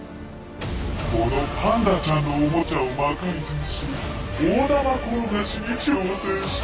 このパンダちゃんのオモチャを魔改造し大玉転がしに挑戦してもらう。